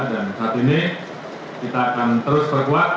dan saat ini kita akan terus berkuat